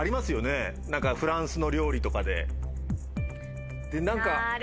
フランスの料理とかで。